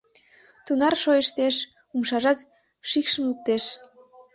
— Тунар шойыштеш, умшажат шикшым луктеш!